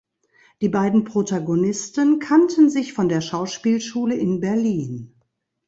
Die beiden Protagonisten kannten sich von der Schauspielschule in Berlin.